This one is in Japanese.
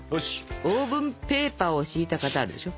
オーブンペーパーを敷いた型あるでしょ。